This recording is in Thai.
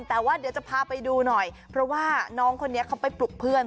แต่ว่าเดี๋ยวจะพาไปดูหน่อยเพราะว่าน้องคนนี้เขาไปปลุกเพื่อน